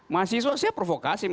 mahasiswa saya provokasi